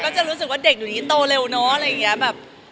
ก็จะรู้สึกว่าเด็กเดี๋ยวนี้โตเร็วเนาะอะไรอย่างเงี้ย